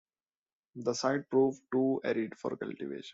The site proved too arid for cultivation.